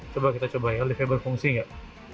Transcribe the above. coba kita coba ya liftnya berfungsi nggak